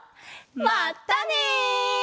まったね！